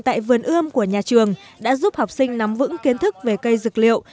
tại vườn ươm của nhà trường đã giúp học sinh nắm vững kiến thức về cây dược liệu